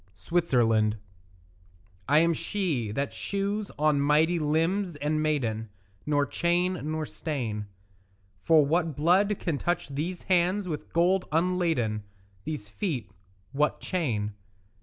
SWITZERLAND I am she that shews on mighty limbs and maiden Nor chain nor stain; For what blood can touch these hands with gold unladen, These feet what chain?